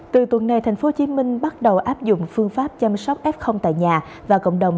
từ tuần này tp hcm bắt đầu áp dụng phương pháp chăm sóc f tại nhà và cộng đồng